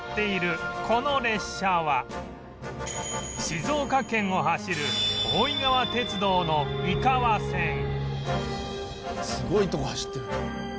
静岡県を走るすごいとこ走ってる。